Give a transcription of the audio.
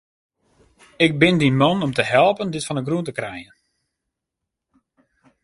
Ik bin dyn man om te helpen dit fan 'e grûn te krijen.